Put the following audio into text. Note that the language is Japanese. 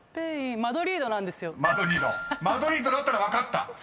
マドリードだったら分かった？］